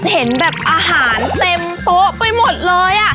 เห็นแบบอาหารเต็มโต๊ะไปหมดเลย